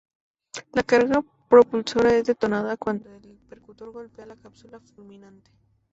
La carga propulsora es detonada cuando el percutor golpea la cápsula fulminante.